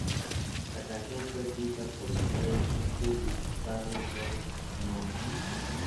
La canción fue escrita por los tres Bee Gees: Barry, Robin y Maurice Gibb.